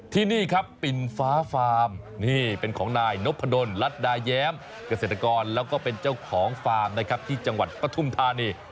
ที่นี่ครับปิ่นฟ้าฟาร์มนี่เป็นของนายนพดลรัฐดาแย้มเกษตรกรแล้วก็เป็นเจ้าของฟาร์มนะครับที่จังหวัดปฐุมธานี